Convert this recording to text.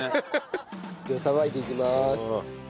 じゃあ捌いていきます。